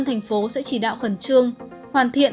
thành phố sẽ chỉ đạo khẩn trương hoàn thiện